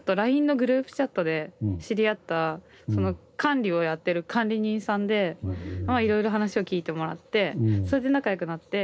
ＬＩＮＥのグループチャットで知り合ったその管理をやってる管理人さんでまあいろいろ話を聞いてもらってそれで仲良くなって。